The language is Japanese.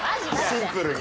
シンプルに。